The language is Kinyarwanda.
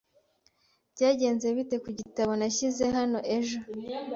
Byagenze bite ku gitabo nashyize hano ejo?